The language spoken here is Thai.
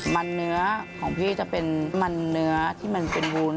มันเนื้อของพี่จะเป็นมันเนื้อที่มันเป็นวูน